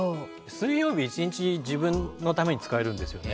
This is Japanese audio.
水曜日一日自分のために使えるんですよね。